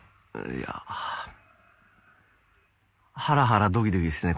ハラハラドキドキですね